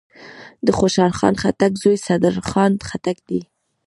دخوشحال خان خټک زوی صدرخان خټک دﺉ.